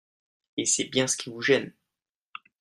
et c’est bien ce qui vous gêne